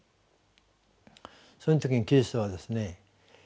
その時にキリストはですね